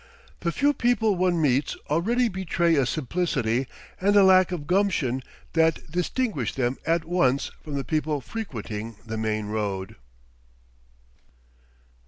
The few people one meets already betray a simplicity and a lack of "gumption" that distinguish them at once from the people frequenting the main road.